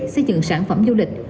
xây dựng sản phẩm du lịch